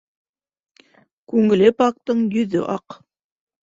Күңеле пактың йөҙө аҡ.